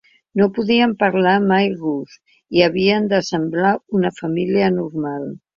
No podien parlar mai rus i havien de semblar una família normal.